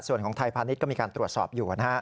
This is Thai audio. ส่วนของไทยพาณิชย์ก็มีการตรวจสอบอยู่นะฮะ